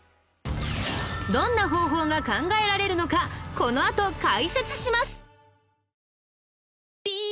どんな方法が考えられるのかこのあと解説します！